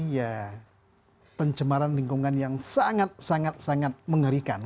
ya pencemaran lingkungan yang sangat sangat mengerikan